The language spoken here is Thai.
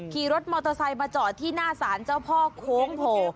ขี่รถมอเตอร์ไซค์มาจอดที่หน้าศาลเจ้าพ่อโค้งโผล่